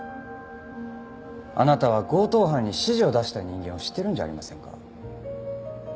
あなたは強盗犯に指示を出した人間を知ってるんじゃありませんか？